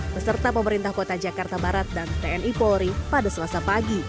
beserta pemerintah kota jakarta barat dan tni polri pada selasa pagi